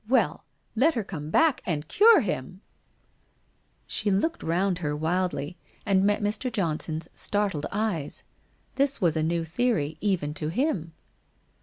Well, let her come hack and cure him !' She looked round her wildly, and met Mr. Johnson's startled eyes. This was a new theory, even to him.